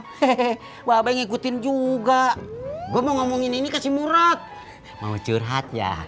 hehehe babay ngikutin juga gua mau ngomongin ini ke si murad mau curhat ya